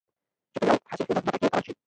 چې په يوه حاصل خېزه ځمکه کې وکرل شي.